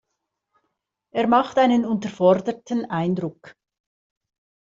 Er macht einen unterforderten Eindruck.